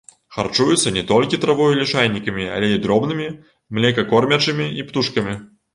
Харчуецца не толькі травой і лішайнікамі, але і дробнымі млекакормячымі і птушкамі.